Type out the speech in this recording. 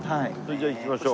じゃあ行きましょう。